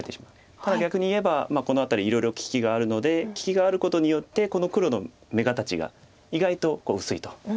ただ逆に言えばこの辺りいろいろ利きがあるので利きがあることによってこの黒の眼形が意外と薄いと。